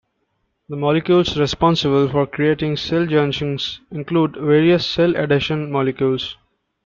The molecules responsible for creating cell junctions include various cell adhesion molecules.